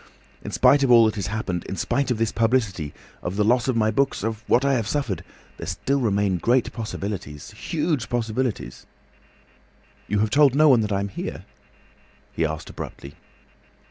In spite of all that has happened, in spite of this publicity, of the loss of my books, of what I have suffered, there still remain great possibilities, huge possibilities—" "You have told no one I am here?" he asked abruptly.